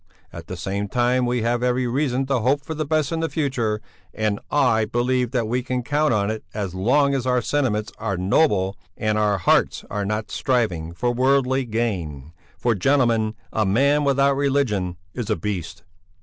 At the same time we have every reason to hope for the best in the future, and I believe that we can count on it as long as our sentiments are noble and our hearts are not striving for worldly gain; for, gentlemen, a man without religion is a beast.